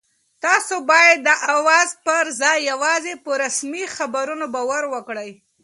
تاسو باید د اوازو پر ځای یوازې په رسمي خبرونو باور وکړئ.